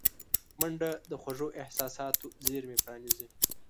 منډه د خوږو احساساتو زېرمې پرانیزي